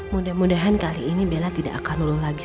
pergi kamu dari sini pergi afif pergi